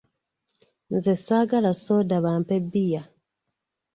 Nze saagala soda bampe bbiya.